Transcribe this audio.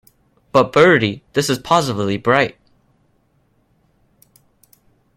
But, Bertie, this is positively bright.